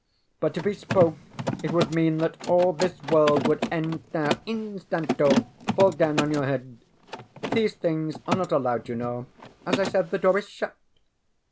But if he spoke it would mean that all this world would end now instanto fall down on your head. These things are not allowed, you know. As I said, the door is shut.